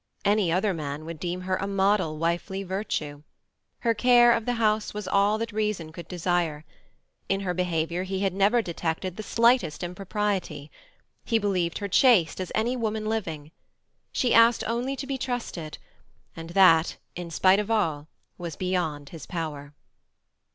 Any other man would deem her a model of wifely virtue. Her care of the house was all that reason could desire. In her behaviour he had never detected the slightest impropriety. He believed her chaste as any woman living She asked only to be trusted, and that, in spite of all, was beyond his power.